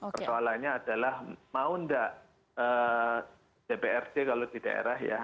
persoalannya adalah mau tidak dprd kalau di daerah ya